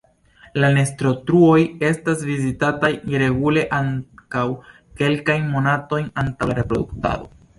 La nestotruoj estas vizitataj regule ankaŭ kelkajn monatojn antaŭ la reproduktado.